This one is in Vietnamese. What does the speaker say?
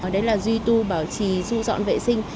đấy là duy tu bảo trì thu dọn vệ sinh